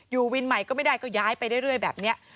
อยู่วินใหม่ก็ไม่ได้ก็ย้ายไปเรื่อยแบบนี้